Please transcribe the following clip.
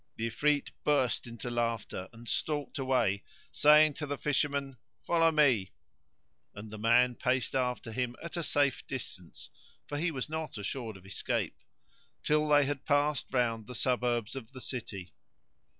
The Ifrit burst into laughter and stalked away, saying to the Fisherman, "Follow me;" and the man paced after him at a safe distance (for he was not assured of escape) till they had passed round the suburbs of the city.